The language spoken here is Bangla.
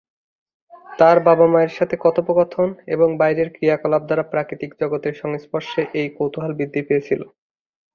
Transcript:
তাঁর বাবা-মায়ের সাথে কথোপকথন এবং বাইরের ক্রিয়াকলাপ দ্বারা প্রাকৃতিক জগতের সংস্পর্শে এই কৌতূহল বৃদ্ধি পেয়েছিল।